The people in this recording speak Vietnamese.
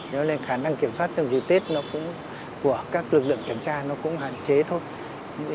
cho nên khả năng kiểm soát trong dịp tết của các lực lượng kiểm tra nó cũng hạn chế thôi